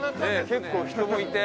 結構人もいて。